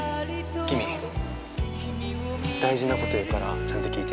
キミ大事なこと言うからちゃんと聞いて。